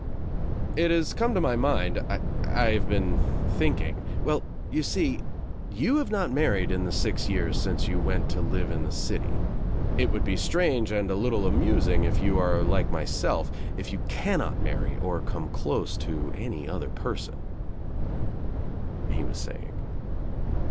"It has come into my mind — I have been thinking — well you sec you have not married in the six ycara since you went to live in the city. It would be strange and a little amusing if you are like myself, if you can not marry or come close to any other person," he was saying.